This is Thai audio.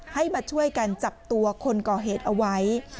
ให้มาช่วยกันจับตัวคนก่อเหตุเอาไว้